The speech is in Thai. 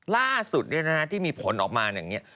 ล่าสุดเนี่ยนะฮะที่มีผลออกมาอย่างนี้